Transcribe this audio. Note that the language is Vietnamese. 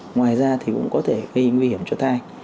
ngoài ra thì cũng có thể gây nguy hiểm cho thai